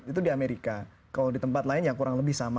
itu di amerika kalau di tempat lain yang kurang lebih sama